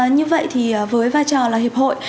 như vậy thì với vai trò là hiệp hội